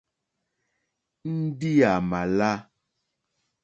Ndí à mà lá.